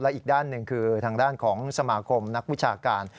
อีกด้านหนึ่งคือทางด้านของสมาคมนักวิชาการ